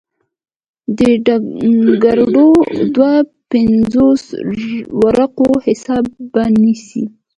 د ګردو دوه پينځوس ورقو حساب به نيسې.